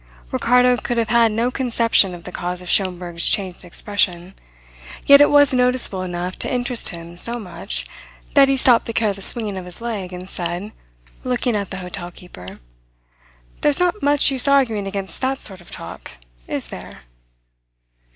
Ricardo could have had no conception of the cause of Schomberg's changed expression. Yet it was noticeable enough to interest him so much that he stopped the careless swinging of his leg and said, looking at the hotel keeper: "There's not much use arguing against that sort of talk is there?"